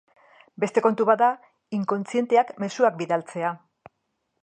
Beste kontu bat da inkontzienteak mezuak bidaltzea.